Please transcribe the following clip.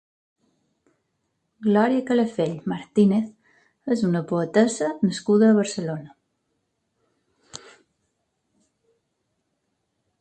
Glòria Calafell Martínez és una poetessa nascuda a Barcelona.